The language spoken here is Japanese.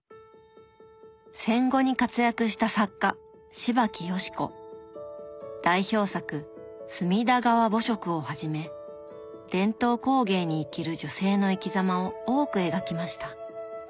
戦後に活躍した代表作「隅田川暮色」をはじめ伝統工芸に生きる女性の生きざまを多く描きました。